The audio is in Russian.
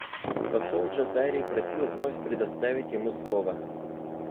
Посол Джазайри просил вновь предоставить ему слово.